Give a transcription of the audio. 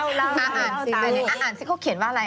อ่าเขาอ่านสิเขาเขียนว่าอะไร